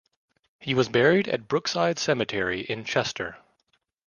He was buried at Brookside Cemetery in Chester.